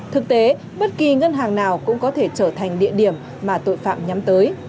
thực tế bất kỳ ngân hàng nào cũng có thể trở thành địa điểm mà tội phạm nhắm tới